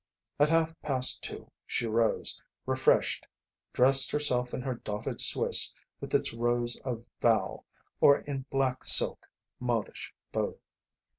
At half past two she rose, refreshed, dressed herself in her dotted swiss with its rows of val, or in black silk, modish both.